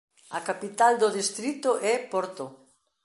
A capital do distrito é Porto.